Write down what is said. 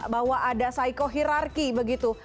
bahwa ada psycho hirarki begitu